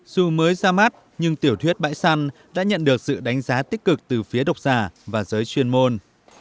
dù mới ra mắt nhưng tiểu thuyết bãi săn đã nhận được sự đánh giá tích cực từ phía độc giả và giới chuyên môn